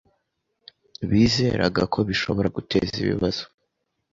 Bizeraga ko bishobora guteza ibibazo.